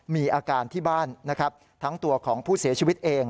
มีอาการที่บ้านนะครับทั้งตัวของผู้เสียชีวิตเอง